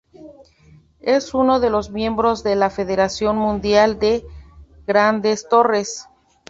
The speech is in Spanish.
Es uno de los miembros de la Federación Mundial de Grandes Torres.